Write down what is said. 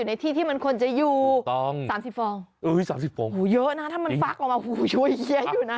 ไม่ต้องสามสิบฟองหูยเยอะนะถ้ามันฟักออกมาหูยเยี่ยมอยู่นะ